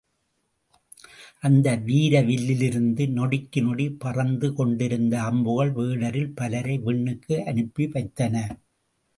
அந்த வீர வில்லிலிருந்து நொடிக்கு நொடி பறந்து கொண்டிருந்த அம்புகள் வேடரில் பலரை விண்ணுக்கு அனுப்பிவைத்தன.